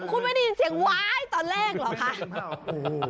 คุณไม่ได้ยินเสียงว้ายตอนแรกเหรอคะ